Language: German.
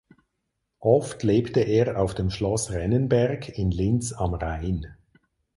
Oft lebte er auf dem Schloss Rennenberg in Linz am Rhein.